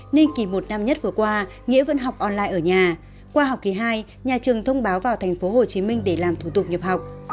nên kỳ một năm nhất vừa qua nghĩa vẫn học online ở nhà qua học kỳ hai nhà trường thông báo vào tp hcm để làm thủ tục nhập học